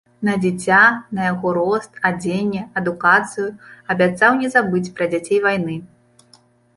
На дзіця, на яго рост, адзенне, адукацыю, абяцаў не забыць пра дзяцей вайны.